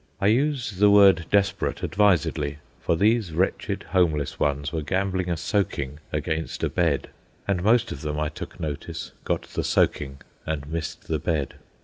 I use the word "desperate" advisedly, for these wretched, homeless ones were gambling a soaking against a bed; and most of them, I took notice, got the soaking and missed the bed.